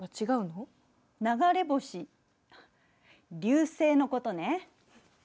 流れ星流星のことね。